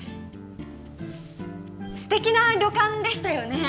素敵な旅館でしたよね